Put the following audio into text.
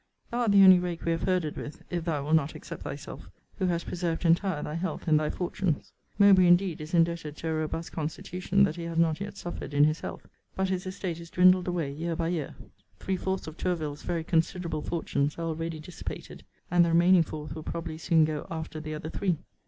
Thou art the only rake we have herded with, if thou wilt not except thyself, who hast preserved entire thy health and thy fortunes. Mowbray indeed is indebted to a robust constitution that he has not yet suffered in his health; but his estate is dwindled away year by year. Three fourths of Tourville's very considerable fortunes are already dissipated; and the remaining fourth will probably soon go after the other three.